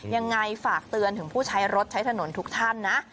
ยังไงฝากเตือนถึงผู้ใช้รถใช้ถนนทุกท่านนะ